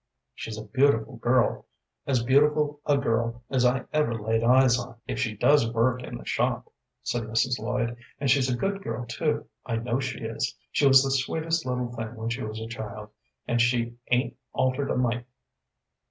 "She's a beautiful girl, as beautiful a girl as I ever laid eyes on, if she does work in the shop," said Mrs. Lloyd, "and she's a good girl, too; I know she is. She was the sweetest little thing when she was a child, and she 'ain't altered a mite!"